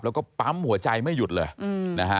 แล้วก็ปั๊มหัวใจไม่หยุดเลยนะฮะ